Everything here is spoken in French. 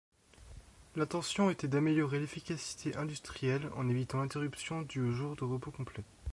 L'intention était d'améliorer l'efficacité industrielle en évitant l'interruption due au jour de repos complet.